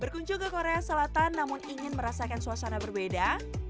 berkunjung ke korea selatan namun ingin merasakan suasana berbeda